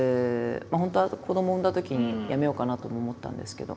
本当は子どもを産んだときに辞めようかなとも思ったんですけど。